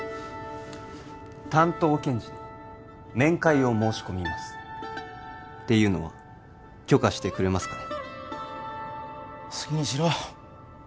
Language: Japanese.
担当検事に面会を申し込みますっていうのは許可してくれますかね？